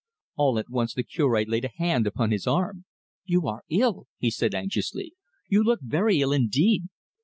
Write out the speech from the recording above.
All at once the Cure laid a hand upon his arm. "You are ill," he said anxiously. "You look very ill indeed.